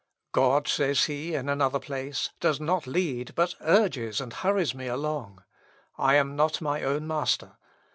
" "God," says he in another place, "does not lead but urges and hurries me along. I am not my own master.